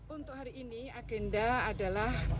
untuk hari ini agenda adalah